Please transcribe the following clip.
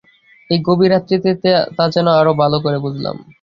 এই গভীর রাত্রিতে তা যেন আরো ভালো করে বুঝলাম।